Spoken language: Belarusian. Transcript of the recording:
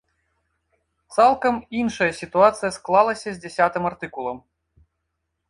Цалкам іншая сітуацыя склалася з дзясятым артыкулам.